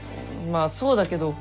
まあそうだけど。